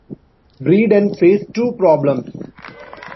Breadon faced two problems.